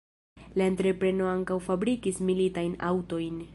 La entrepreno ankaŭ fabrikis militajn aŭtojn.